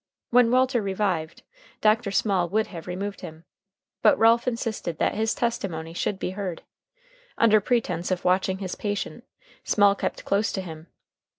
When Walter revived, Dr. Small would have removed him, but Ralph insisted that his testimony should be heard. Under pretense of watching his patient, Small kept close to him.